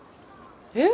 えっ？